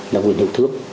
là nguyễn hữu thước